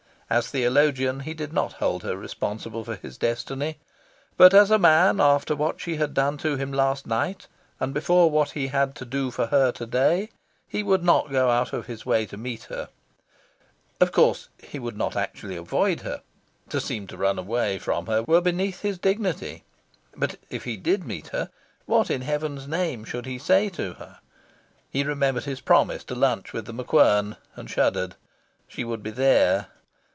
As theologian, he did not hold her responsible for his destiny. But as a man, after what she had done to him last night, and before what he had to do for her to day, he would not go out of his way to meet her. Of course, he would not actually avoid her. To seem to run away from her were beneath his dignity. But, if he did meet her, what in heaven's name should he say to her? He remembered his promise to lunch with The MacQuern, and shuddered. She would be there.